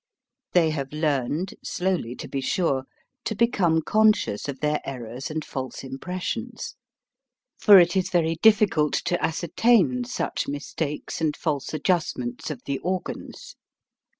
They have learned, slowly, to be sure, to become conscious of their errors and false impressions; for it is very difficult to ascertain such mistakes and false adjust 36 HOW TO SING ments of the organs.